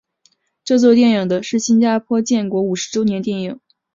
这部电影是新加坡建国五十周年电影。